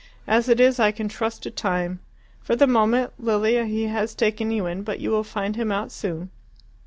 As it is I can trust to time. For the moment, Lilia, he has taken you in, but you will find him out soon.